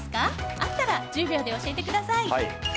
あったら１０秒で教えてください。